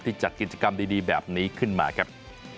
จัดกิจกรรมดีแบบนี้ขึ้นมาครับ